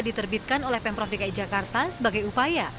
diterbitkan oleh pemprov dki jakarta sebagai upaya